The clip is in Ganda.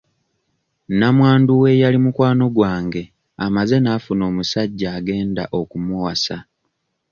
Namwandu w'eyali mukwano gwange amaze n'afuna omusajja agenda okumuwasa.